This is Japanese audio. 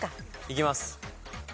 いきます。